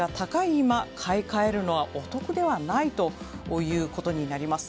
今買い替えるのはお得ではないということになります。